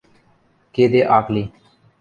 — Кеде ак ли...